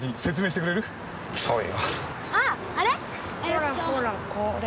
ほらほらこれ。